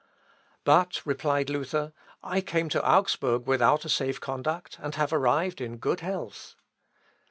"But," replied Luther, "I came to Augsburg without a safe conduct, and have arrived in good health."